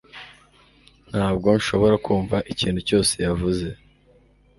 Ntabwo nshobora kumva ikintu cyose yavuze